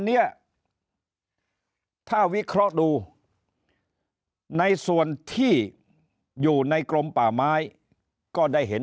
เนี่ยถ้าวิเคราะห์ดูในส่วนที่อยู่ในกรมป่าไม้ก็ได้เห็น